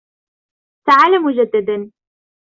تعالَ مُجدداً.